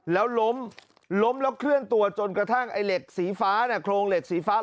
แล้วล้มล้มแล้วเคลื่อนตัวจนกระทั่งไอ้เหล็กสีฟ้าน่ะโครงเหล็กสีฟ้า